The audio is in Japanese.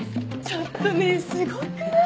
ちょっとねぇすごくない？